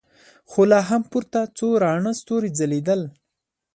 خو لا هم پورته څو راڼه ستورې ځلېدل.